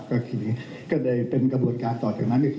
ก็คือก็ได้เป็นกระบวนการต่อจากนั้นอีกที